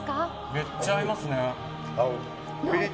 めっちゃ合いますね。